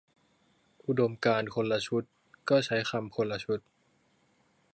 อุดมการณ์คนละชุด ก็ใช้คำคนละชุด